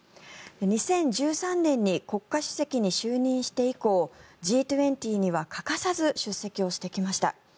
２０１３年に国家主席に就任して以降Ｇ２０には欠かさず出席してきました。